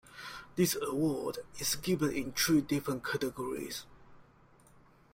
This award is given in three different categories.